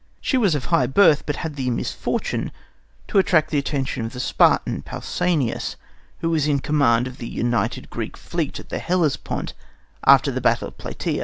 She was of high birth, but had the misfortune to attract the attention of the Spartan Pausanias, who was in command of the united Greek fleet at the Hellespont after the battle of Platæa.